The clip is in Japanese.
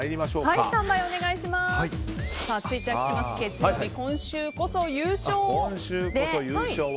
月曜日、今週こそ優勝を。